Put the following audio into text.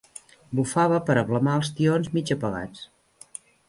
Bufava per ablamar els tions mig apagats.